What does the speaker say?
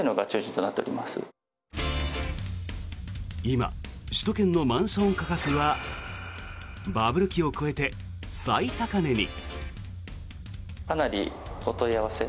今、首都圏のマンション価格はバブル期を超えて最高値に。